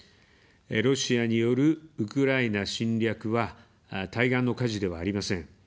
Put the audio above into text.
ロシアによるウクライナ侵略は対岸の火事ではありません。